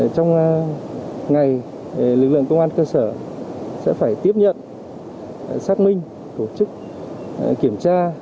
trong ngày lực lượng công an cơ sở sẽ phải tiếp nhận xác minh tổ chức kiểm tra